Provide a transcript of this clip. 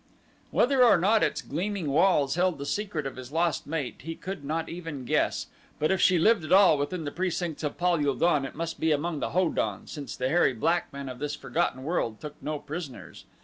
Whether or not its gleaming walls held the secret of his lost mate he could not even guess but if she lived at all within the precincts of Pal ul don it must be among the Ho don, since the hairy black men of this forgotten world took no prisoners.